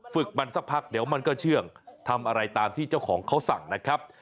ฝึกมันสักพักเดี๋ยวมันก็เชื่องทำอะไรตามที่เจ้าของเขาสั่งนะครับ